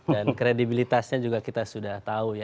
dan kredibilitasnya juga kita sudah tahu